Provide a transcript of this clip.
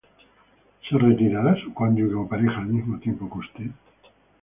¿Se retirará su cónyuge o pareja al mismo tiempo que usted?